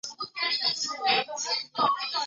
罗氏菊珊瑚为菊珊瑚科菊珊瑚属下的一个种。